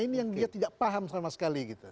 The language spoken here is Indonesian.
ini yang dia tidak paham sama sekali gitu